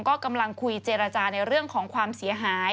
ก็กำลังคุยเจรจาในเรื่องของความเสียหาย